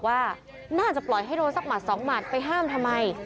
ว่าน่าจะปล่อยให้โดนสักหมัดสองหมัดไปห้ามทำไม